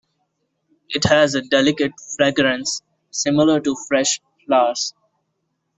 It has a delicate fragrance similar to fresh flowers.